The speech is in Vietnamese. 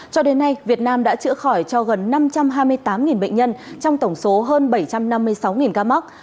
cho đến nay việt nam đã chữa khỏi cho gần năm trăm hai mươi tám bệnh nhân trong tổng số hơn bảy trăm năm mươi sáu ca mắc